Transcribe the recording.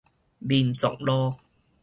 民族路